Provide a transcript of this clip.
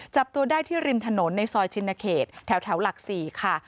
จับตัวได้ที่ริมถนนในซอยชินเขตแถวหลัก๔ค่ะ